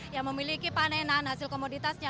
yang memiliki panenan hasil komoditasnya